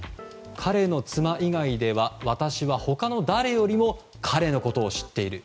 彼の妻以外では私は他の誰よりも彼のことを知っている。